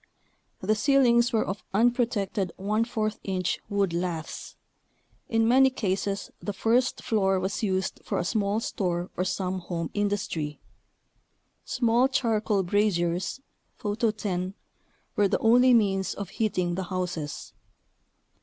The ceilings were of unpro tected 14 inch wood laths. In many cases the first floor was used for a small store or some home industry. Small charcoal braziers (Photo 10) were the only means of heating the houses.